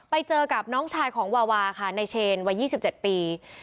ไปเจอกับน้องชายของวาวาค่ะในเชนวัยยี่สิบเจ็ดปี